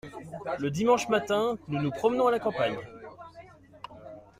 Le dimanche matin nous nous promenons à la campagne.